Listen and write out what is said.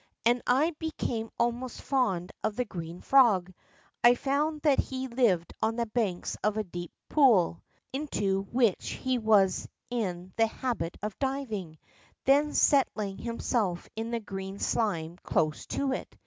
And I became almost fond of the green frog. I found that he lived on the banks of a deep pool, into which he was in the habit of diving, then set tling himself in the green slime close to it.